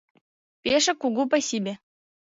— Пешак кугу пасибе!